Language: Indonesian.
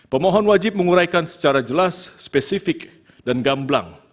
pemohon wajib menguraikan secara jelas spesifik dan gamblang